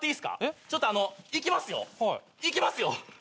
ちょっとあのいきますよ。いきますよ。